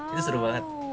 itu seru banget